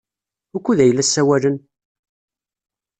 Wukud ay la ssawalen?